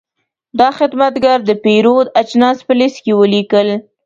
دا خدمتګر د پیرود اجناس په لېست کې ولیکل.